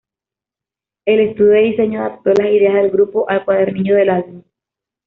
El estudio de diseño adaptó las ideas del grupo al cuadernillo del álbum.